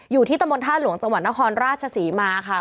อยู่ที่ตะมนต์ท่าหลวงจังหวัดนครราชศรีมาค่ะ